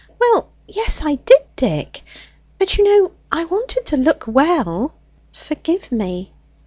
"Well, yes, I did, Dick; but, you know, I wanted to look well; forgive me."